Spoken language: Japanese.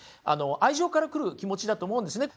愛情から来る気持ちだと思うんですね。